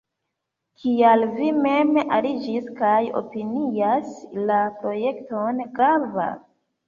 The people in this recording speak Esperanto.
Kial vi mem aliĝis kaj opinias la projekton grava?